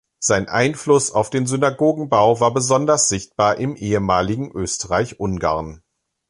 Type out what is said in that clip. Sein Einfluss auf den Synagogenbau war besonders sichtbar im ehemaligen Österreich-Ungarn.